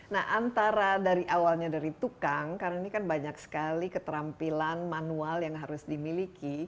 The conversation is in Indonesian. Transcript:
nah antara dari awalnya dari tukang karena ini kan banyak sekali keterampilan manual yang harus dimiliki